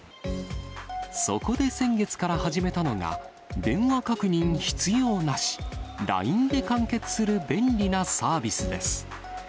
そこで先月から始めたのが、電話確認必要なし、ＬＩＮＥで完結する便利なサービスです。